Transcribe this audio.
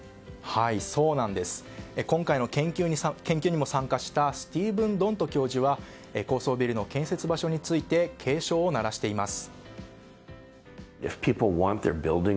今回の研究にも参加したスティーブン・ドント教授は高層ビルの建設場所について警鐘を鳴らしています。